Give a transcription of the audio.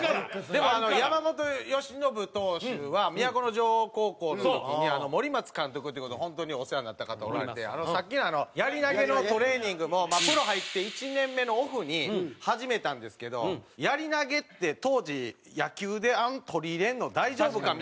でも山本由伸投手は都城高校の時に森松監督っていう方に本当にお世話になった方おられてさっきのやり投げのトレーニングもプロ入って１年目のオフに始めたんですけどやり投げって当時野球で取り入れるの大丈夫か？みたいなので。